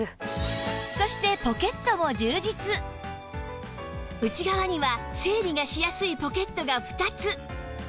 そして内側には整理がしやすいポケットが２つ